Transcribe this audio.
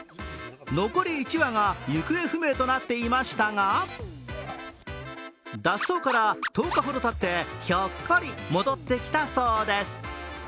残り１羽が行方不明となっていましたが脱走から１０日ほどたってひょっこり戻ってきたそうです。